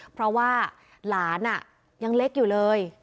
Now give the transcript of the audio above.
เพราะว่าหลานยังเล็กอยู่เลย